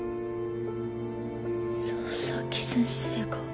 佐々木先生が。